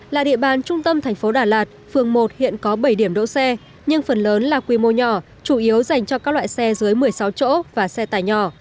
là địa bàn trung tâm thành phố đà lạt phường một hiện có bảy điểm đỗ xe nhưng phần lớn là quy mô nhỏ chủ yếu dành cho các loại xe dưới một mươi sáu chỗ và xe tải nhỏ